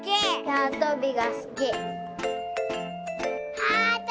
なわとびがすき。